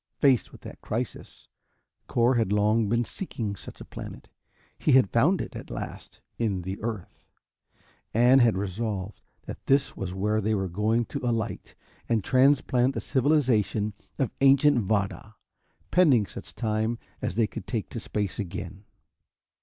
Faced with that crisis, Cor had long been seeking such a planet. He had found it, at last, in the earth and had resolved that this was where they were going to alight and transplant the civilization of ancient Vada, pending such time as they could take to space again.